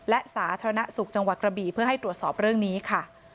และสาธารณสุขจังหวัดกระบี่เพื่อให้ตรวจสอบเรื่องนี้ค่ะ